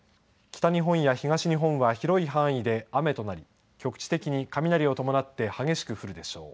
北日本や東日本は広い範囲で雨となり局地的に雷を伴って激しく降るでしょう。